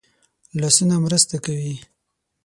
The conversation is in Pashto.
لاسونه مرسته کوي